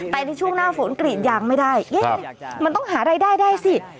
แต่ในช่วงหน้าฝนกรีดยางไม่ได้เอ๊ะมันต้องหารายได้ได้สิ